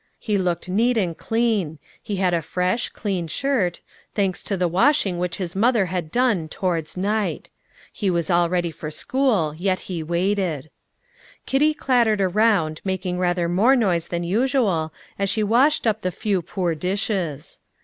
He looked neat and clean; he had a fresh, clean shirt, thanks to the washing which his mother had done "towards night." He was all ready for school, yet he waited. Kitty clattered around, making rather more noise even than usual, as she washed up the few poor dishes.